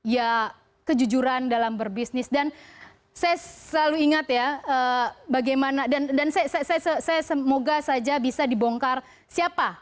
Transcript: ya kejujuran dalam berbisnis dan saya selalu ingat ya bagaimana dan saya semoga saja bisa dibongkar siapa